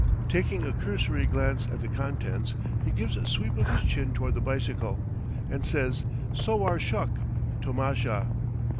Taking a cursory glance at the contents, he gives a sweep of his chin toward the bicycle, and says, "Sowar shuk; tomasha."